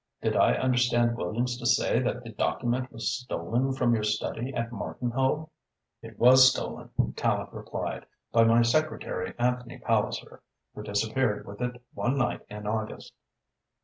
Did I understand Williams to say that the document was stolen from your study at Martinhoe?" "It was stolen," Tallente replied, "by my secretary, Anthony Palliser, who disappeared with it one night in August."